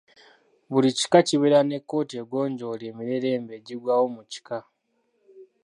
Buli kika kibeere ne kkooti egonjoola emirerembe egigwawo mu kika.